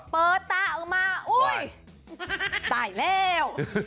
เปิดตาออกมาอุ๊ยตายแล้ว